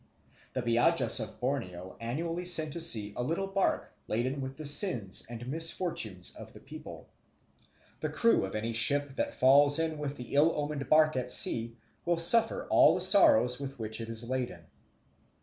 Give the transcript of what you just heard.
The Biajas of Borneo annually send to sea a little bark laden with the sins and misfortunes of the people. The crew of any ship that falls in with the ill omened bark at sea will suffer all the sorrows with which it is laden.